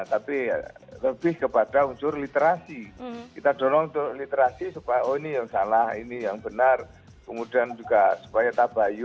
tapi lebih kepadaera fitra kita l shift